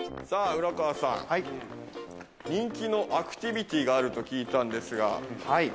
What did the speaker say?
さぁ浦川さん、人気のアクティビティがあると聞いたんですが。